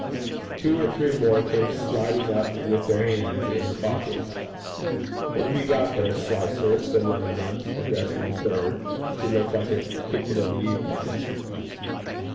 Two or three more came sidling up with their hands in their pockets. 'What have you got there, Slicer?' said one of them, addressing the third, who looked like a ticket of leave man.